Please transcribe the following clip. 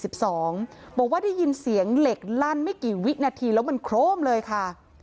บอกว่าได้ยินเสียงเหล็กลั่นไม่กี่วินาทีแล้วมันโครมเลยค่ะ